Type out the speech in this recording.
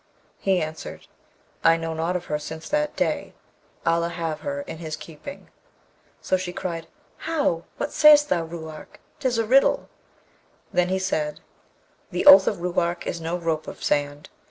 He answered, 'I know nought of her since that day. Allah have her in his keeping!' So she cried, 'How? What say'st thou, Ruark? 'tis a riddle.' Then he, 'The oath of Ruark is no rope of sand!